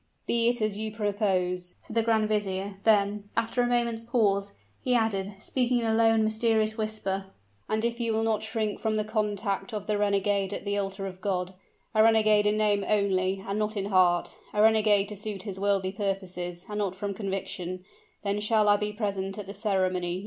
"Be it as you propose," said the grand vizier; then, after a moment's pause, he added, speaking in a low and mysterious whisper: "and if you will not shrink from the contact of the renegade at the altar of God a renegade in name only, and not in heart a renegade to suit his worldly purposes, and not from conviction then shall I be present at the ceremony.